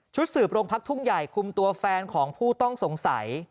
สืบโรงพักทุ่งใหญ่คุมตัวแฟนของผู้ต้องสงสัย